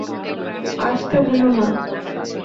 আসতে ভুলো না।